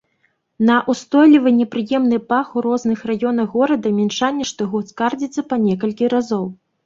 На ўстойлівы непрыемны пах у розных раёнах горада мінчане штогод скардзяцца па некалькі разоў.